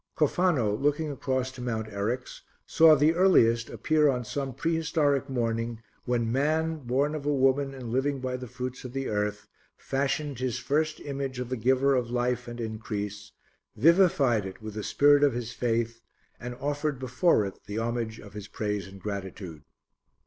Cofano, looking across to Mount Eryx, saw the earliest appear on some prehistoric morning when man, born of a woman and living by the fruits of the earth, fashioned his first image of the Giver of Life and Increase, vivified it with the spirit of his faith and offered before it the homage of his praise and gratitude.